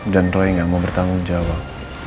dan roy gak mau bertanggung jawab